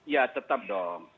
ya tetap dong